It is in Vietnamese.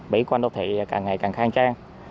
bị quanh đô thị càng ngày càng khang trang